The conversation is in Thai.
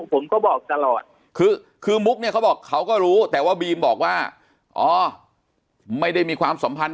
ผมก็บอกตลอดคือคือมุกเนี่ยเขาบอกเขาก็รู้แต่ว่าบีมบอกว่าอ๋อไม่ได้มีความสัมพันธ